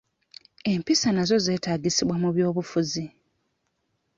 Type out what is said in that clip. Empisa nazo zeetagisibwa mu by'obufuzi.